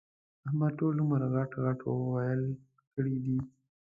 احمد ټول عمر غټ ِغټ ويل کړي دي.